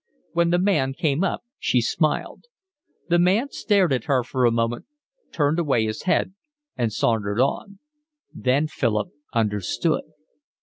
When the man came up she smiled. The man stared at her for a moment, turned away his head, and sauntered on. Then Philip understood.